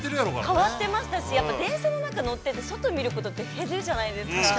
◆変わってましたし、やっぱり電車の中乗ってて外見ることって減るじゃないですか。